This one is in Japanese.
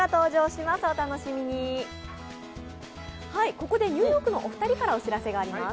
ここでニューヨークのお二人からお知らせがあります。